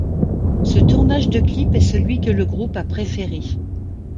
Ce tournage de clip est celui que le groupe a préféré.